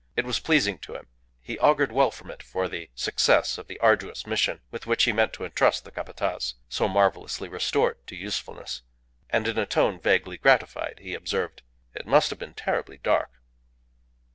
It was pleasing to him; he augured well from it for the success of the arduous mission with which he meant to entrust the Capataz so marvellously restored to usefulness. And in a tone vaguely gratified, he observed "It must have been terribly dark!"